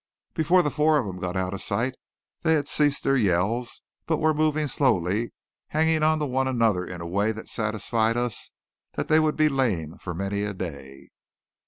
Before the four of them got out of sight they had ceased their yells, but were moving slowly, hanging on to one another in a way that satisfied us they would be lame for many a day.